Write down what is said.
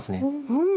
うん。